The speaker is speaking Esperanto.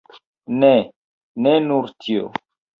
Ne, ne nur tio.